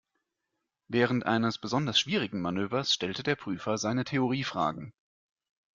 Während eines besonders schwierigen Manövers stellte der Prüfer seine Theorie-Fragen.